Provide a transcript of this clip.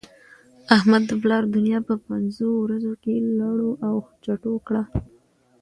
احمد د پلا دونيا په پنځو ورځو کې لړو او چټو کړه.